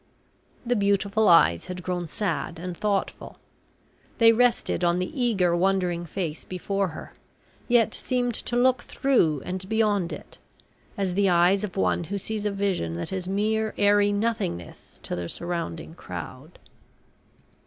The beautiful eyes had grown sad and thoughtful. They rested on the eager wondering face before her, yet seemed to look through and beyond it, as the eyes of one who sees a vision that is mere airy nothingness to the surrounding crowd.